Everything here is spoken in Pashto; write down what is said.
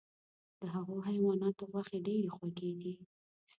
د هغو حیواناتو غوښې ډیرې خوږې دي .